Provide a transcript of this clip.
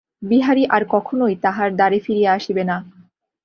বিহারী আর কখনোই তাঁহার দ্বারে ফিরিয়া আসিবে না।